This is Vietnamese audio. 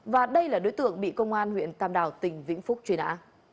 và đây là đối tượng bị công an huyện tam đảo tỉnh vĩnh phúc truy nã